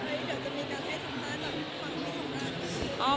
เฮ้ยเดี๋ยวจะมีการใช้เสียงมากกว่า